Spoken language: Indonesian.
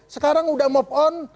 sekarang udah move on